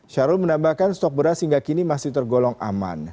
syarul menambahkan stok beras hingga kini masih tergolong aman